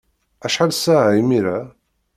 Acḥal ssaɛa imir-a?